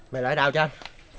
mày lại đào cho anh